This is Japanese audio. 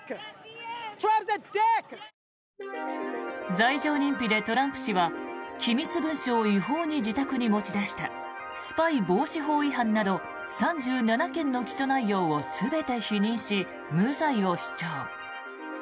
罪状認否でトランプ氏は機密文書を違法に持ち出したスパイ防止法違反など３７件の起訴内容を全て否認し無罪を主張。